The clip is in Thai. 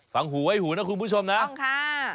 จะลองหูไว้หูนะคุณผู้ชมนะต้องค่ะ